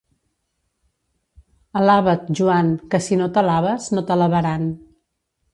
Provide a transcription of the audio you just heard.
Alaba't Joan, que si no t'alabes, no t'alabaran.